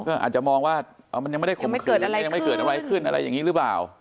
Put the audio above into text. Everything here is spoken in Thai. ก็อาจจะมองว่ามันยังไม่ได้ข่มขืนแล้วก็ยังไม่เกิดอะไรขึ้นอะไรอย่างนี้หรือเปล่า